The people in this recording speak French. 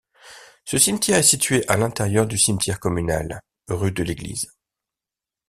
Ce cimetière est situé à l'intérieur du cimetière communal, rue de l'église.